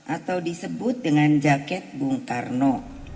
atau disebut dengan jaket bung karno